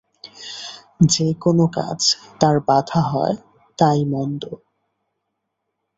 যে-কোন কাজ তার বাধা হয়, তাই মন্দ।